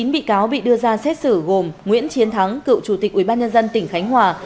chín bị cáo bị đưa ra xét xử gồm nguyễn chiến thắng cựu chủ tịch ubnd tỉnh khánh hòa